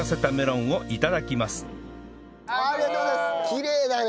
きれいだね！